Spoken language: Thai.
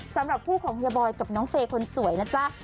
สำหรับคู่ของเฮียบอยกับน้องเฟย์คนสวยนะจ๊ะ